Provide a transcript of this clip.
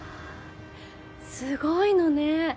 すごいのね！